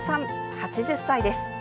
８０歳です。